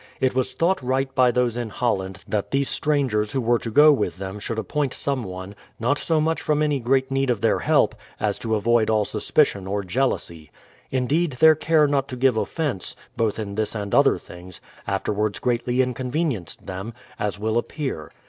It was thought right by those in Holland that these strangers who were to go with them should appoint some one, not so much from any great need of their help, as to avoid all suspicion or jealousy. Indeed their care not to give offence, both in this and other things, afterwards greatly inconvenienced them, as will ap pear.